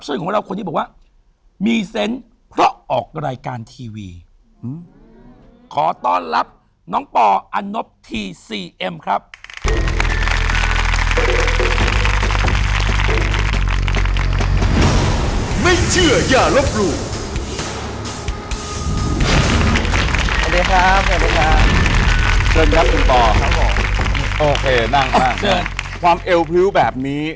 เชิญครับคุณป่าวโอเคนั่งข้างหน้ามากนะครับความเอวพลิ้วแบบนี้